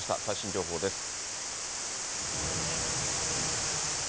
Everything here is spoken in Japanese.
最新情報です。